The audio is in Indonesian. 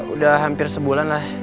udah hampir sebulan lah